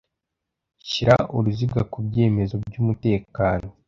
Shyira uruziga ku byemezo by’umutekano